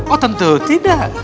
oh tentu tidak